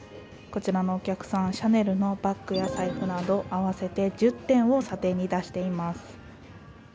こちらのお客さん、シャネルのバッグや財布など合わせて１０点を査定に出しています。